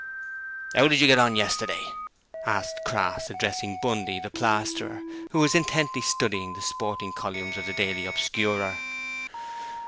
'How did you get on yesterday?' asked Crass, addressing Bundy, the plasterer, who was intently studying the sporting columns of the Daily Obscurer.